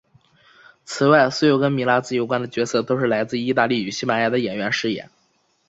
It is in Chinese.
此外所有跟米拉兹有关的角色都是由来自义大利与西班牙的演员饰演。